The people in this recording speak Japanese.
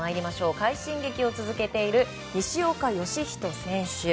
快進撃を続けている西岡良仁選手。